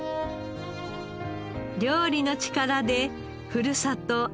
料理の力でふるさと